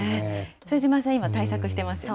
副島さん、毎日対策してますよね。